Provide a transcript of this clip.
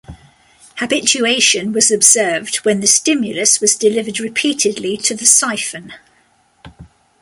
Habituation was observed when the stimulus was delivered repeatedly to the siphon.